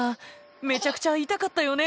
めちゃくちゃ痛かったよね